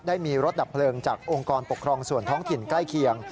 ได้มีรถดับเพลิงจากองค์กรปกครองส่วนท้องถิ่นใกล้เคียง